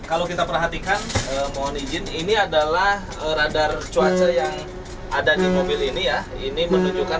kalau kita perhatikan mohon izin ini adalah radar cuaca yang ada di mobil ini ya ini menunjukkan